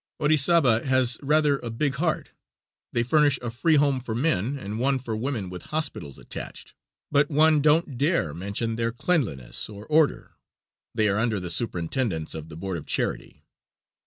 Orizaba has rather a big heart they furnish a free home for men and one for women with hospitals attached, but one don't dare mention their cleanliness or order; they are under the superintendence of the Board of Charity.